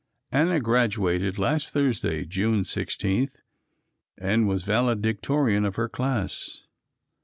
Anna graduated last Thursday, June 16, and was valedictorian of her class.